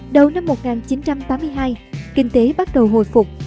đầu năm một nghìn chín trăm tám mươi hai kinh tế bắt đầu hồi phục